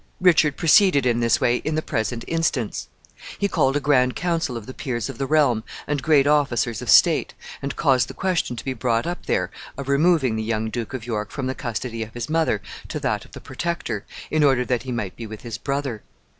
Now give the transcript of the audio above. Richard proceeded in this way in the present instance. He called a grand council of the peers of the realm and great officers of state, and caused the question to be brought up there of removing the young Duke of York from the custody of his mother to that of the Protector, in order that he might be with his brother.